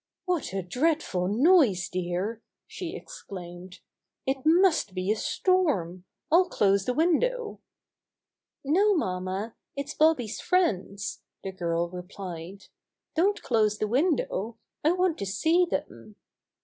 *What a dreadful noise, dear!" she ex claimed. "It must be a storm. I'll close the window." "No, mamma, it's Bobby's friends," the girl replied. "Don't close the window. I want to see them."